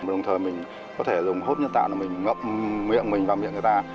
đồng thời mình có thể dùng hốt nhân tạo là mình ngậm miệng mình bằng miệng người ta